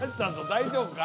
大丈夫か？